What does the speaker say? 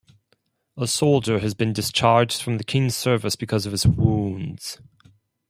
A soldier has been discharged from the king's service because of his wounds.